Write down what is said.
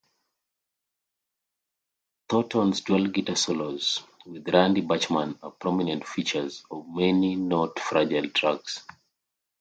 Thornton's dual-guitar solos with Randy Bachman are prominent features on many "Not Fragile" tracks.